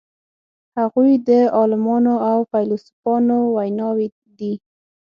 هغوی د عالمانو او فیلسوفانو ویناوی دي.